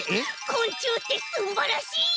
こんちゅうってすんばらしい！